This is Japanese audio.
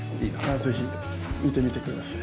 ぜひ見てみてください。